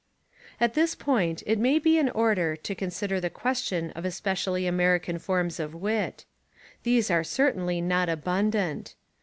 At this point It may be in order to consider the question of especially American forms of wit. These are certainly not abundant.